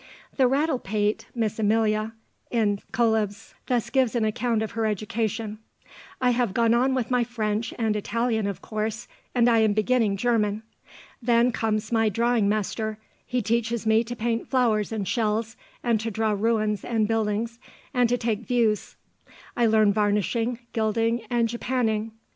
'" The rattle pate, Miss Amelia, in Cœlebs thus gives an account of her education: "I have gone on with my French and Italian of course, and I am beginning German. Then comes my drawing master; he teaches me to paint flowers and shells, and to draw ruins and buildings, and to take views.... I learn varnishing, gilding, and Japanning.